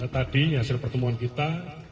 tadi hasil pertemuan kita